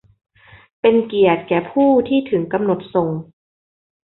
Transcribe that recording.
เป็นเกียรติแก่ผู้ที่ถึงกำหนดส่ง !